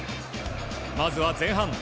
まずは前半。